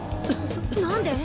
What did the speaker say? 何で？